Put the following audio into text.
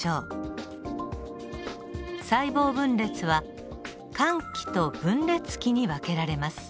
細胞分裂は間期と分裂期に分けられます。